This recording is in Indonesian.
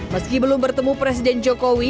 meski belum bertemu presiden jokowi